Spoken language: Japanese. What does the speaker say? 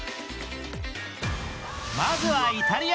まずはイタリア。